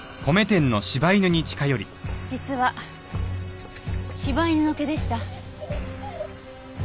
実は柴犬の毛でした。